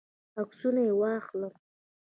عکسونه یې واخلم.